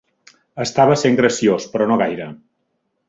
Estava sent graciós, però no gaire.